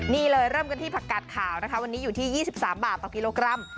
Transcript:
นี่เลยเริ่มกันที่ผักกัดขาวนะคะวันนี้อยู่ที่๒๓บาทต่อกิโลกรัม